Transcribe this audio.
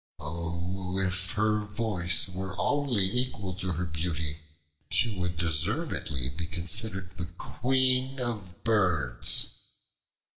Oh, if her voice were only equal to her beauty, she would deservedly be considered the Queen of Birds!"